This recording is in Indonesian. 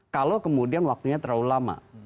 kalau kemudian waktunya terlalu lama